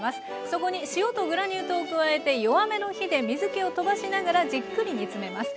そこに塩とグラニュー糖を加えて弱めの火で水けをとばしながらじっくり煮詰めます。